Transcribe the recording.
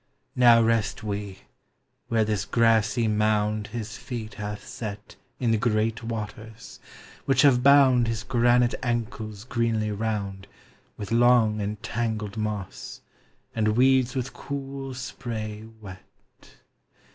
Now rest we, where this grassy mound His feet hath set In the great waters, which have bound His granite ankles greenly round With long and tangled moss, and weeds with cool spray wet.